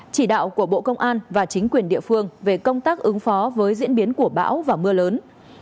chỉ đạo của bộ công an và chính quyền địa phương về công tác ứng phó với diễn biến của bão và mưa lớn